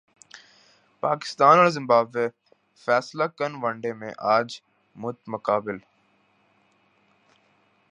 پاکستان اور زمبابوے فیصلہ کن ون ڈے میں اج مدمقابل